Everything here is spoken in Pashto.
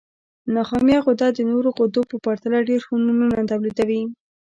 نخامیه غده د نورو غدو په پرتله ډېر هورمونونه تولیدوي.